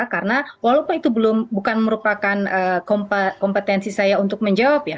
karena walaupun itu belum bukan merupakan kompetensi saya untuk menjawab ya